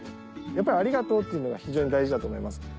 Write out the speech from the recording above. やっぱり「ありがとう」って言うのが非常に大事だと思います